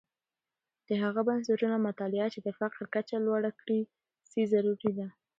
د هغه بنسټونو مطالعه چې د فقر کچه لوړه کړې سي، ضروری ده.